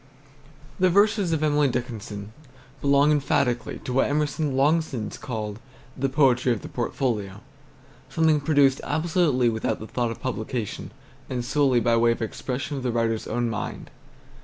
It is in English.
THE verses of Emily Dickinson belong emphatically to what Emerson long since called "the Poetry of the Portfolio," something produced absolutely without the thought of publication, and solely by way of expression of the writer's own mind.